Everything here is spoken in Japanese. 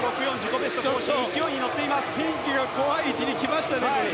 フィンケが怖い位置に来ましたね。